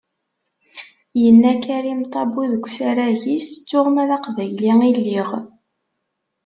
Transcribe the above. Yenna Karim Tabu deg usarag-is: " ttuɣ ma d aqbayli i lliɣ."